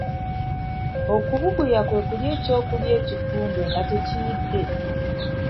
Okubuguya kwe kulya ekyokulya ekifumbe nga tekiyidde.